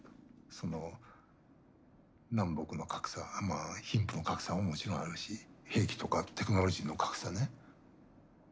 その南北の格差まあ貧富の格差ももちろんあるし兵器とかテクノロジーの格差ね。